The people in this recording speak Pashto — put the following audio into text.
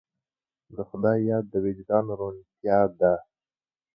د خدای یاد د وجدان روڼتیا ده.